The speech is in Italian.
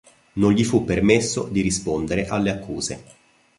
Non gli fu permesso di rispondere alle accuse.